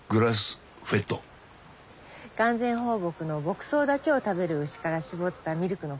完全放牧の牧草だけを食べる牛から搾ったミルクのこと。